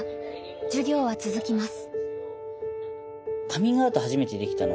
授業は続きます。